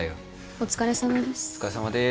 お疲れさまです。